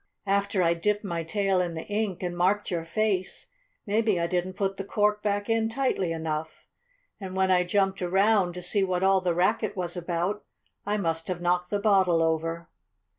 "After I dipped my tail in the ink and marked your face, maybe I didn't put the cork back in tightly enough. And when I jumped around, to see what all the racket was about, I must have knocked the bottle over."